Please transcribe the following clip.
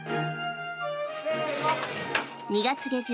２月下旬